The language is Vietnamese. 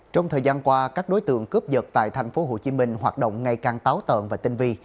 trong thời gian qua các đối tượng cướp dật tại tp hcm hoạt động ngày càng táo tợn và tinh vi